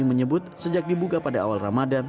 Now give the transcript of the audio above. menyebut sejak dibuka pada awal ramadan